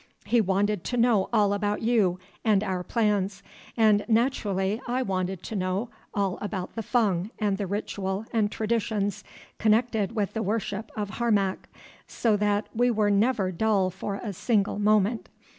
He wanted to know all about you and our plans, and naturally I wanted to know all about the Fung and the ritual and traditions connected with the worship of Harmac, so that we were never dull for a single moment.